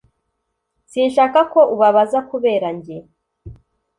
sinshaka ko ubabaza kubera njye